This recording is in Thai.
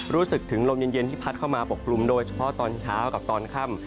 รู้สึกถึงลมเย็นที่พัดเข้ามาปกกลุ่มโดยเฉพาะตอนเช้ากับตอนค่ำ